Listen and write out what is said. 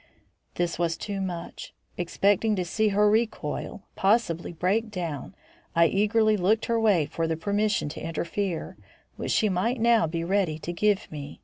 This was too much. Expecting to see her recoil, possibly break down, I eagerly looked her way for the permission to interfere, which she might now be ready to give me.